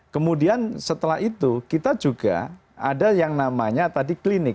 kemudian setelah itu kita juga ada yang namanya tadi klinik